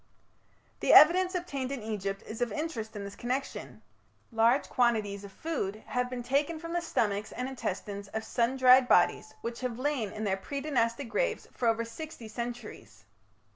The evidence obtainable in Egypt is of interest in this connection. Large quantities of food have been taken from the stomachs and intestines of sun dried bodies which have lain in their pre Dynastic graves for over sixty centuries.